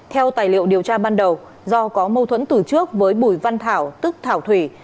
theo tài liệu điều tra ban đầu do có mâu thuẫn từ trước với bùi văn thảo tức thảo thủy